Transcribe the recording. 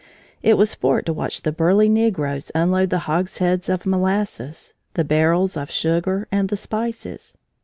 It was sport to watch the burly negroes unload the hogsheads of molasses, the barrels of sugar, and the spices.